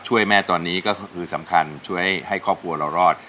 ช่วยแม่ตอนนี้ก็คือสำคัญช่วยให้ครอบครัวเรารอด